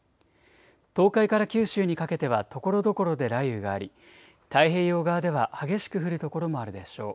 東海から九州にかけてはところどころで雷雨があり太平洋側では激しく降る所もあるでしょう。